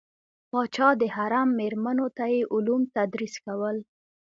پاچا د حرم میرمنو ته یې علوم تدریس کول.